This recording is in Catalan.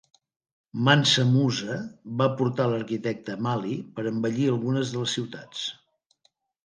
Mansa Musa va portar l'arquitecte a Mali per embellir algunes de les ciutats.